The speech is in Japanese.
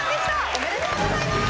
おめでとうございます！